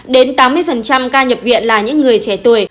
đến tám mươi ca nhập viện là những người trẻ tuổi